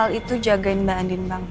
sal itu jagain mbak andin banget